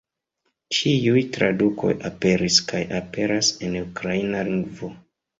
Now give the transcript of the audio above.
Ĉiuj tradukoj aperis kaj aperas en ukraina lingvo.